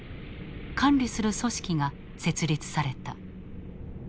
管理する組織が設立された。